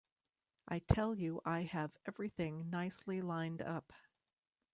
I tell you I have everything nicely lined up.